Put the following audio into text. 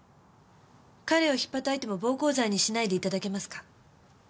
彼を引っぱたいても暴行罪にしないでいただけますか？